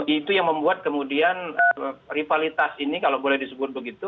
itu yang membuat kemudian rivalitas ini kalau boleh disebut begitu